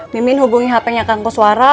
mimin hubungi hp kang koswara